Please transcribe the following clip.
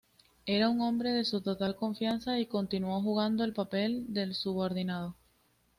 Era un hombre de su total confianza, y continuó jugando el papel de subordinado.